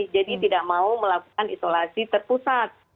jadi tidak mau melakukan isolasi terpusat